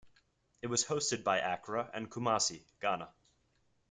It was hosted by Accra and Kumasi, Ghana.